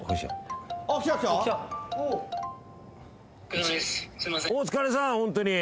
お疲れさんホントに。